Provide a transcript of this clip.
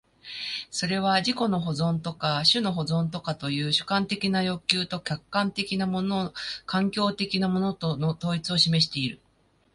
それは自己の保存とか種の保存とかという主観的な欲求と客観的なもの環境的なものとの統一を示している。